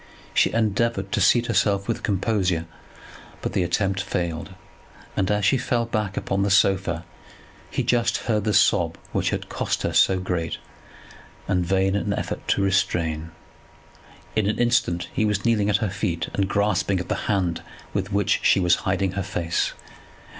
She endeavoured to seat herself with composure; but the attempt failed, and as she fell back upon the sofa he just heard the sob which had cost her so great and vain an effort to restrain. In an instant he was kneeling at her feet, and grasping at the hand with which she was hiding her face.